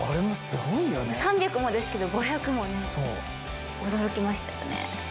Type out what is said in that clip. ３００もですけど５００もね驚きましたよね。